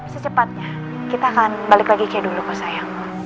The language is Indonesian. secepatnya kita akan balik lagi ke dulu kok sayang